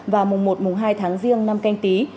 và mùng một mùng hai tháng riêng năm canh tí